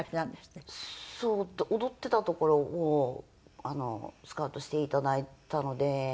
そう踊ってたところをスカウトしていただいたので。